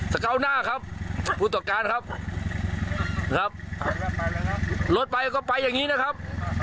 เก้าหน้าครับผู้ตรวจการครับนะครับรถไปก็ไปอย่างนี้นะครับ